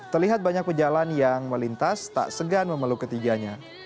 terlihat banyak pejalan yang melintas tak segan memeluk ketiganya